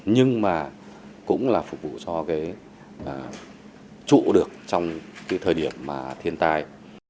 nhưng mà cũng là phục vụ cho trụ được trong thời điểm thiên tai